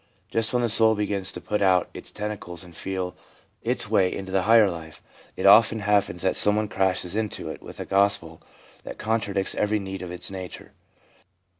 Just when the soul begins to put out its tentacles and feel its way into the higher life, it often happens that someone crashes into it with a gospel that con tradicts every need of its nature.